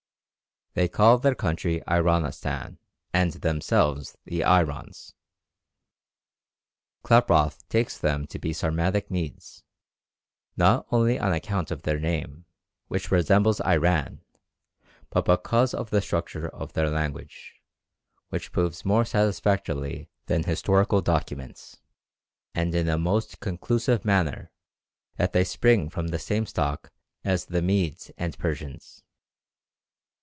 They call their country Ironistan, and themselves the Irons. Klaproth takes them to be Sarmatic Medes, not only on account of their name, which resembles Iran, but because of the structure of their language, which proves more satisfactorily than historical documents, and in a most conclusive manner, that they spring from the same stock as the Medes and Persians.